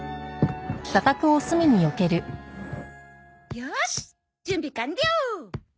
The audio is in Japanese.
よーし準備完了！